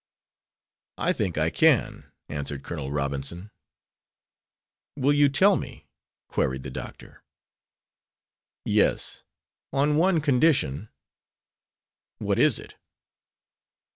"I think I can," answered Col. Robinson. "Will you tell me?" queried the doctor. "Yes, on one condition." "What is it?"